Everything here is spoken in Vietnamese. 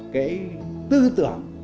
cái tư tưởng